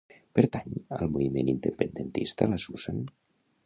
Pertany al moviment independentista la Susan?